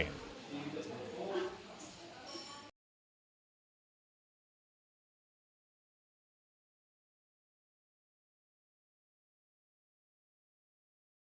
jenazah bribtu sukron dimakamkan di taman makam pahlawan kebumian